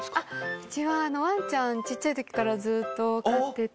うちはワンちゃんちっちゃいときからずっと飼ってて。